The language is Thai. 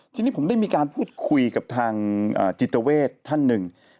ทีนี้ผมได้มีการพูดคุยกับทางจิตเวทท่านหนึ่ง